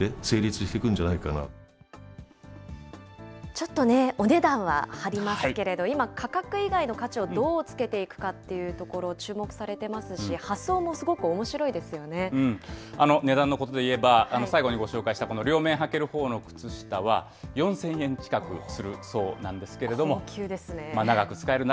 ちょっとね、お値段は張りますけれど、今、価格以外の価値をどうつけていくかというところ、注目されてますし、値段のことでいえば、最後にご紹介したこの両面履けるほうの靴下は、４０００円近くす高級ですね。